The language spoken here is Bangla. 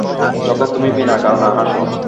যখন তুমি বিনা কারনে হাসো।